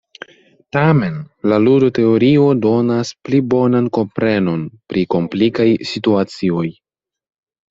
Tamen, la ludo-teorio donas pli bonan komprenon pri komplikaj situacioj.